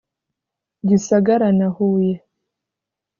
Gisagara na Huye